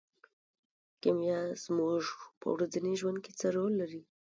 کیمیا زموږ په ورځني ژوند کې څه رول لري.